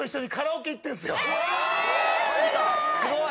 えすごい！